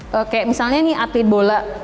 kayak misalnya nih atlet bola